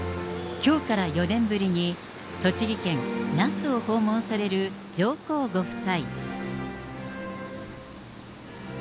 きょうから４年ぶりに栃木県那須を訪問される上皇ご夫妻。